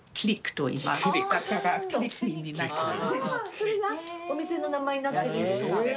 それがお店の名前になってるんですか。